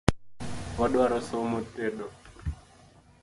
Donjkae piyo wadwaro somo tedo.